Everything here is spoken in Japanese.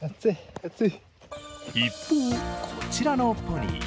一方、こちらのポニー。